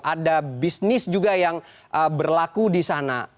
ada bisnis juga yang berlaku di sana